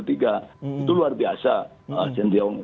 itu luar biasa sintiong